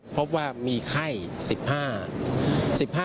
พบว่ามีไข้๑๕